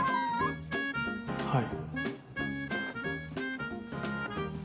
はい。